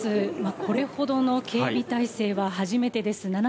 まずこれほどの警備体制は初めてです。